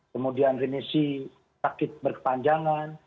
kemudian remisi sakit berkepanjangan